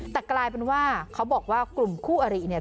แต่กลายเป็นว่าเขาบอกว่ากลุ่มคู่อริเนี่ย